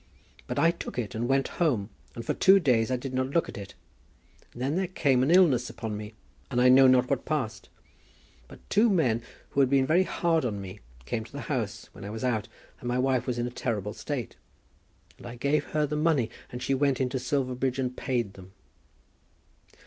But I took it, and went home, and for two days I did not look at it. And then there came an illness upon me, and I know not what passed. But two men who had been hard on me came to the house when I was out, and my wife was in a terrible state; and I gave her the money, and she went into Silverbridge and paid them."